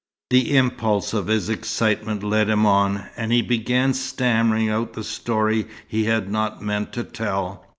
The impulse of his excitement led him on, and he began stammering out the story he had not meant to tell.